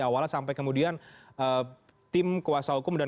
awalnya sampai kemudian tim kuasa hukum dan